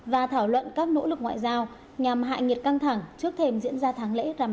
và thảo luận các nỗ lực ngoại giao nhằm hại nghiệt căng thẳng trước thềm diễn ra tháng lễ ramadan